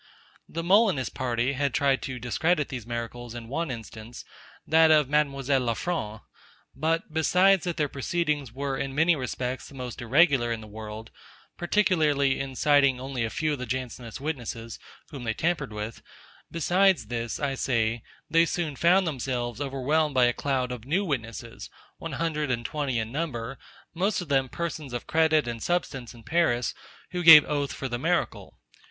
The Molinist party had tried to discredit these miracles in one instance, that of Mademoiselle le Franc. But, besides that their proceedings were in many respects the most irregular in the world, particularly in citing only a few of the Jansenist witnesses, whom they tampered with: Besides this, I say, they soon found themselves overwhelmed by a cloud of new witnesses, one hundred and twenty in number, most of them persons of credit and substance in Paris, who gave oath for the miracle.